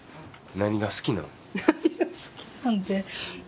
何が好きなんて。